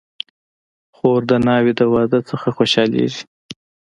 خور د ناوې د واده نه خوشحالېږي.